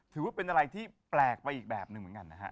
ถือว่าเป็นอะไรที่แปลกไปอีกแบบหนึ่งเหมือนกันนะฮะ